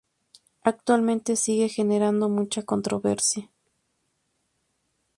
Actualmente, sigue generando mucha controversia.